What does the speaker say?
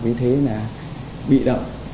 vì thế là bị động